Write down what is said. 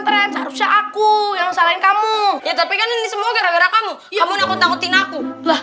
ternyata seharusnya aku yang salahin kamu ya tapi kan ini semua gara gara kamu ya mau takut takutin aku